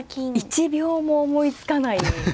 一秒も思いつかない。